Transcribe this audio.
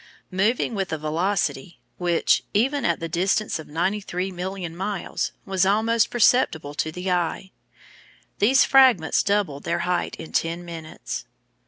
Moving with a velocity which, even at the distance of 93,000,000 miles, was almost perceptible to the eye, these fragments doubled their height in ten minutes.